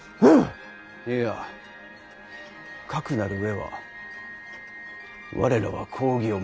いやかくなる上は我らは公儀を守るのみ。